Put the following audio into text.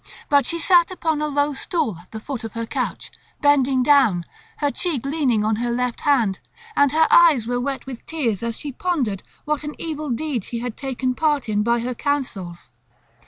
But she sat upon a low stool at the foot of her couch, bending down, her cheek leaning on her left hand, and her eyes were wet with tears as she pondered what an evil deed she had taken part in by her counsels.